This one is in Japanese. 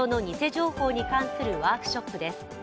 情報に関するワークショップです。